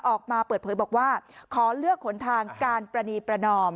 ออกมาเปิดเผยบอกว่าขอเลือกหนทางการประนีประนอม